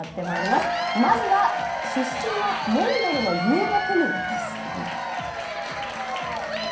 まずは、出身はモンゴルの遊牧民です。